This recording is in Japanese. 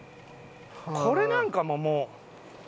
これなんかももう。